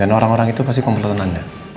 dan orang orang itu pasti komplotan anda